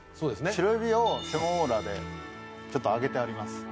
白エビをセモーラでちょっと揚げてあります。